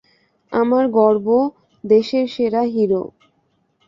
আমার গর্ব, দেশের সেরা হিরো।